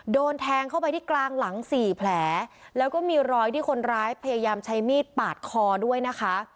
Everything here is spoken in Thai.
โดนแทงเข้าไปที่กลางหลังสี่แผลแล้วก็มีรอยที่คนร้ายพยายามใช้มีดปาดคอด้วยนะคะ